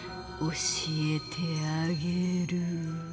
教えてあげる。